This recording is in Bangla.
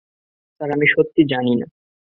স্যার আমি সত্যি জানি না।